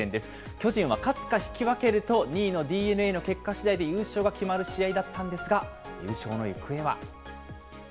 巨人は勝つか引き分けると、２位のＤｅＮＡの結果しだいで優勝が決まる試合だったんですが、優勝の行方は。